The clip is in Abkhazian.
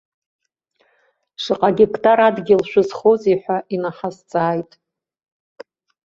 Шаҟа геқтар адгьыл шәызхозеи ҳәа инаҳазҵааит.